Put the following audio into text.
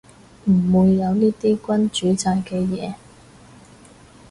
唔會有呢啲君主制嘅嘢